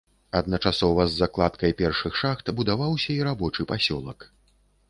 Адначасова з закладкай першых шахт будаваўся і рабочы пасёлак.